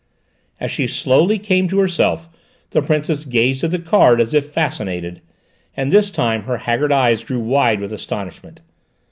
As she slowly came to herself the Princess gazed at the card as if fascinated, and this time her haggard eyes grew wide with astonishment.